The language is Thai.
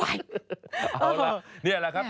เอาล่ะนี่แหละครับ